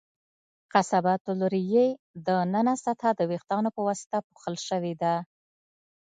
قصبة الریې د ننه سطحه د وېښتانو په واسطه پوښل شوې ده.